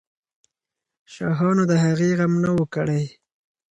شاهانو د هغې غم نه وو کړی.